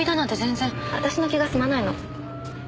私の気が済まないの。